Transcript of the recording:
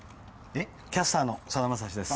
キャスターのさだまさしです。